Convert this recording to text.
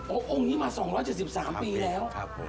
โอ้โหองค์นี้มาสองร้อยเจ็ดสิบสามปีแล้วครับ